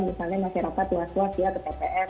misalnya masyarakat luas luas ya ke tps